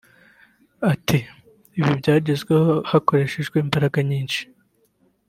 Ati ‘ibi byagezweho hakoreshejwe imbaraga nyinshi